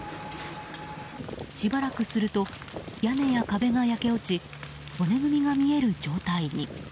しばらくすると屋根や壁が焼け落ち、骨組みが見える状態に。